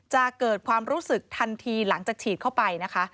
จะเกิดความรู้สึกทันทีหลังจากฉีดเข้าไปนะคะ